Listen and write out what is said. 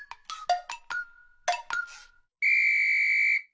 ピッ！